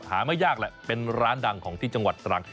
หาไม่ยากแหละเป็นร้านดังจังหวัดตรัง